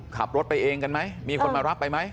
ขับรถไปเองกันมั้ยมีคนมารับไปมั้ย